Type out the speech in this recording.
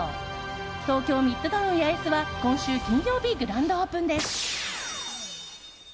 東京ミッドタウン八重洲は今週金曜日グランドオープンです。